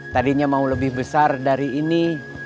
tadinya mau lebih besar dari ini